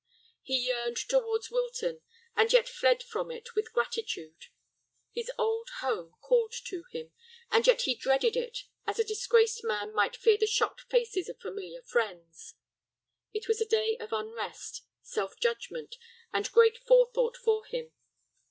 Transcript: He yearned towards Wilton, and yet fled from it with gratitude; his old home called to him, and yet he dreaded it as a disgraced man might fear the shocked faces of familiar friends. It was a day of unrest, self judgment, and great forethought for him.